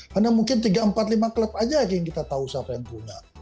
karena mungkin tiga empat lima klub aja yang kita tahu siapa yang punya